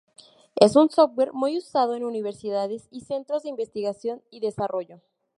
Es un software muy usado en universidades y centros de investigación y desarrollo.